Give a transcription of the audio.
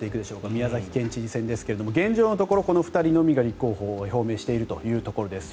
宮崎県知事選ですが現状のところ、この２人のみが立候補を表明しているというところです。